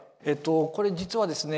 これ実はですね